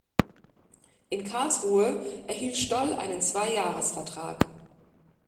In Karlsruhe erhielt Stoll einen Zwei-Jahres-Vertrag.